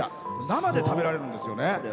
生で食べられるんですよね。